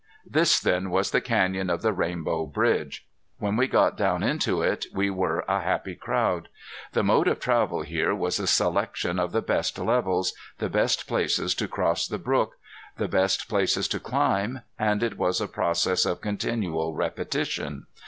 This then was the Canyon of the Rainbow Bridge. When we got down into it we were a happy crowd. The mode of travel here was a selection of the best levels, the best places to cross the brook, the best places to climb, and it was a process of continual repetition.